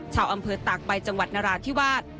ชาวอำเภอตากใบจังหวัดนราธิวาส